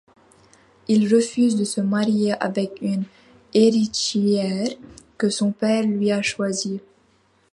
Il refuse de se marier avec une héritière que son père lui a choisie.